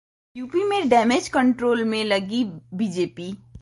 UP में damage control में लगी बीजेपी